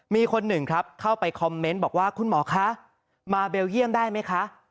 มีคนหนึ่งครับเข้าไปคอมเมนต์บอกว่าคุณหมอคะมาเบลเยี่ยมได้ไหมคะ